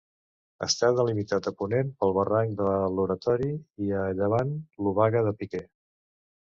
Està delimitat a ponent pel barranc de l'Oratori, i a llevant l'Obaga de Piquer.